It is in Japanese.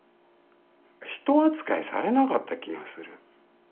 人扱いされなった気がする。